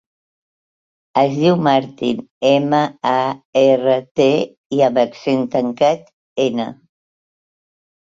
Es diu Martín: ema, a, erra, te, i amb accent tancat, ena.